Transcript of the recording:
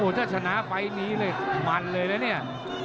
ถ้าชนะไฟล์นี้เลยมันเลยนะเนี่ย